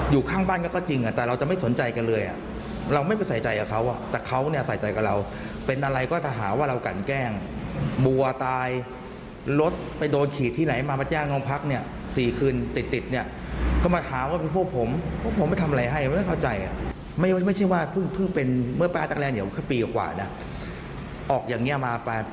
อยู่ข้างบ้านก็จริงแต่เราจะไม่สนใจกันเลยอ่ะเราไม่ไปใส่ใจกับเขาแต่เขาเนี่ยใส่ใจกับเราเป็นอะไรก็ถ้าหาว่าเรากันแกล้งบัวตายรถไปโดนฉีดที่ไหนมามาแจ้งโรงพักเนี่ย๔คืนติดติดเนี่ยก็มาหาว่าเป็นพวกผมพวกผมไปทำอะไรให้ไม่เข้าใจอ่ะไม่ใช่ว่าเพิ่งเป็นเมื่อป้าตังเดี๋ยวคือปีกว่านะออกอย่างนี้มาไป